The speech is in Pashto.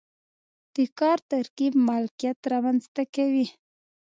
د کار ترکیب مالکیت رامنځته کوي.